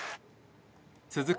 続く